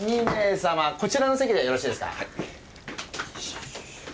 ２名様こちらの席でよろしいですか？